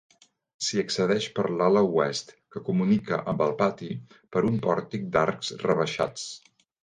S'hi accedeix per l'ala oest, que comunica amb el pati per un pòrtic d'arcs rebaixats.